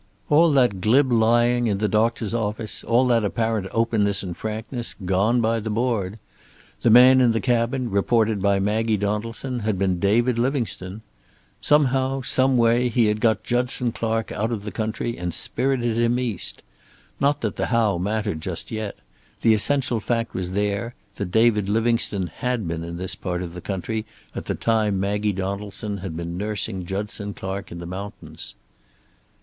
All that glib lying in the doctor's office, all that apparent openness and frankness, gone by the board! The man in the cabin, reported by Maggie Donaldson, had been David Livingstone. Somehow, some way, he had got Judson Clark out of the country and spirited him East. Not that the how mattered just yet. The essential fact was there, that David Livingstone had been in this part of the country at the time Maggie Donaldson had been nursing Judson Clark in the mountains.